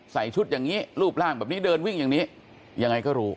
ใส่ชุดอย่างนี้รูปร่างแบบนี้เดินวิ่งอย่างนี้ยังไงก็รู้